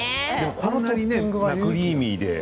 こんなにクリーミーで。